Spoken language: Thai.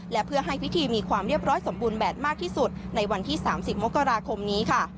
และเพื่อให้พิธีมีความเรียบร้อยสมบูรณ์แบบมากที่สุดในวันที่๓๐มกราคมนี้ค่ะ